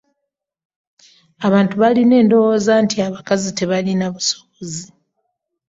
Abantu balina endowooza nti abakazi tebalina busobozi.